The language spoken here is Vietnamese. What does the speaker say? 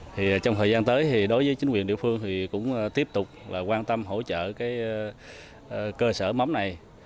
thì trong thời gian tới thì đối với chính quyền địa phương thì cũng tiếp tục quan tâm hỗ trợ cái cơ sở mắm này